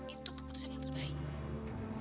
itu keputusan yang terbaik